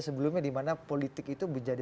sebelumnya dimana politik itu menjadi